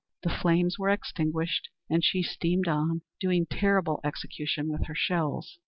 The flames were extinguished, and she steamed on, doing terrible execution with her shells.